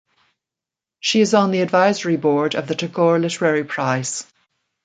She is on the advisory board of the Tagore Literary Prize.